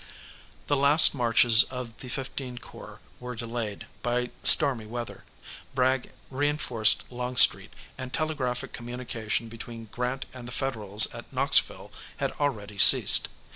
The last marches of the XV. corps were delayed, by stormy weather, Bragg reinforced Longstreet, and telegraphic communication between Grant and the Federals at Knoxville had already ceased.